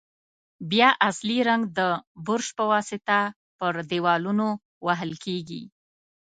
بیا اصلي رنګ د برش په واسطه پر دېوالونو وهل کیږي.